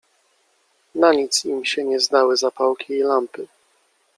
Na nic im się nie zdały zapałki i lampy.